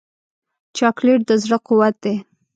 چاکلېټ د زړه قوت دی.